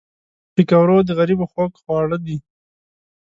پکورې د غریبو خوږ خواړه دي